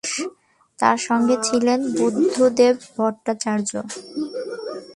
তার সঙ্গে ছিলেন বুদ্ধদেব ভট্টাচার্য।